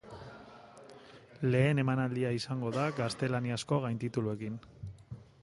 Lehen emanaldia izango da, gaztelaniazko gaintituluekin.